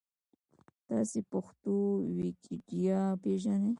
تاسو پښتو ویکیپېډیا پېژنۍ؟